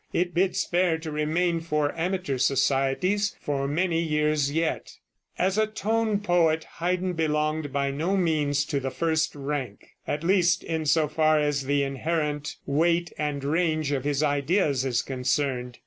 It bids fair to remain for amateur societies for many years yet. As a tone poet Haydn belonged by no means to the first rank at least in so far as the inherent weight and range of his ideas is concerned.